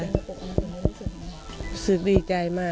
รู้สึกดีใจมาก